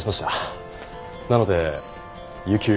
なので有休。